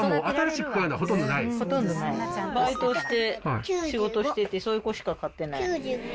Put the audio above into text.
バイトして仕事しててそういう子しか買ってない。